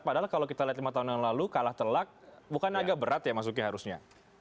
padahal kalau kita lihat lima tahun yang lalu kalah telak bukan agak berat ya mas uki harusnya